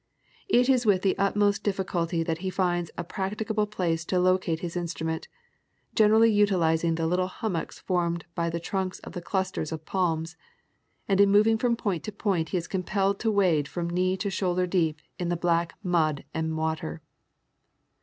It is with the utmost difficulty that he finds a prac ticable place to locate his instrument, generally utilizing the little hummocks formed by the trunks of the clusters of palms, and in moving from point to point he is compelled to wade from knee to shoulder deep in the black mud and water.